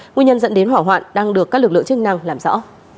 nguyên nhân dẫn đến hỏa hoạn đang được các lực lượng chức năng làm rõ